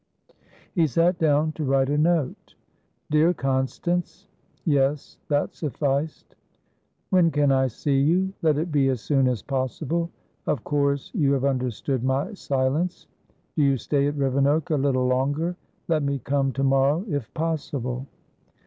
He sat down to write a note. "Dear Constance" yes, that sufficed. "When can I see you? Let it be as soon as possible. Of course you have understood my silence. Do you stay at Rivenoak a little longer? Let me come to morrow, if possible."